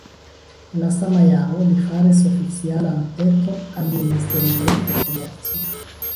En la sama jaro li faris oficialan peton al Ministerio de Komerco.